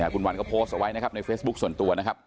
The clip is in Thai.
คุณวันก็โพสต์เอาไว้นะครับในเฟซบุ๊คส่วนตัวนะครับ